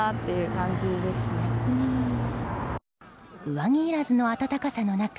上着いらずの暖かさの中